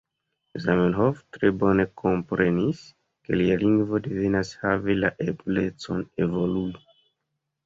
Zamenhof tre bone komprenis, ke lia lingvo devas havi la eblecon evolui.